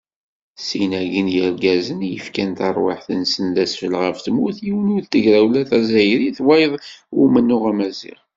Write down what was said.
Sin-agi n yirgazen, i yefkan tarwiḥt-nsen d asfel ɣef tmurt, yiwen i tegrawla tazzayrit, wayeḍ i umennuɣ amaziɣ.